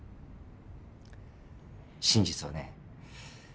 真実はね